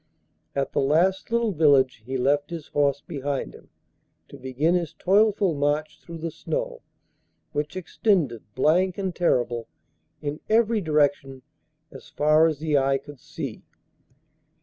At the last little village he left his horse behind him, to begin his toilful march through the snow, which extended, blank and terrible, in every direction as far as the eye could see.